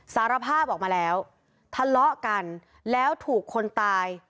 สารภาพออกมาแล้วทะเลาะกันแล้วถูกคนตาย